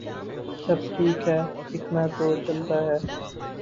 سب ٹھیک ہے ، اتنا تو چلتا ہے ۔